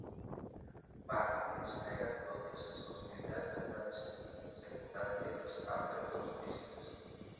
Bach hi desplega totes les possibilitats del clavecí, secundat pels altres dos solistes.